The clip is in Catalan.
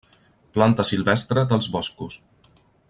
Planta silvestre dels boscos.